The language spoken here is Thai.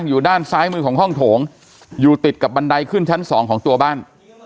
อยู่ด้านซ้ายมือของห้องโถงอยู่ติดกับบันไดขึ้นชั้นสองของตัวบ้าน